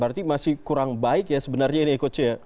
berarti masih kurang baik ya sebenarnya ini coach ya